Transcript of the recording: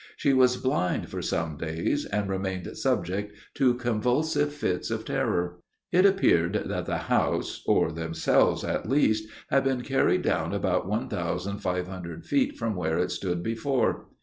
She was blind for some days, and remained subject to convulsive fits of terror. It appeared that the house, or themselves, at least, had been carried down about one thousand five hundred feet from where it stood before.